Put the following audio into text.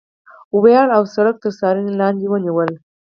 ویاله او سړک تر څارنې لاندې ونیول.